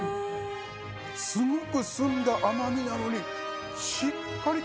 すごく澄んだ甘みなのに。